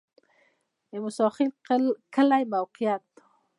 د موسی خیل کلی موقعیت